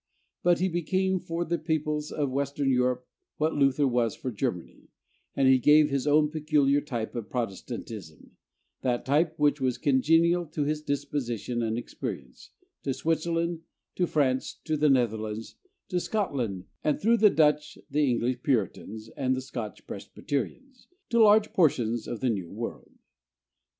But he became for the peoples of Western Europe what Luther was for Germany, and he gave his own peculiar type of Protestantism that type which was congenial to his disposition and experience to Switzerland, to France, to the Netherlands, to Scotland, and through the Dutch, the English Puritans, and the Scotch Presbyterians, to large portions of the New World.